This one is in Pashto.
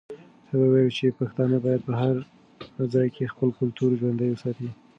هغې وویل چې پښتانه باید په هر ځای کې خپل کلتور ژوندی وساتي.